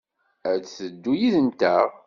Ad d-teddu yid-nteɣ?